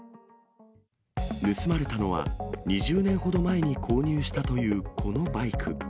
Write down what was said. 盗まれたのは、２０年ほど前に購入したというこのバイク。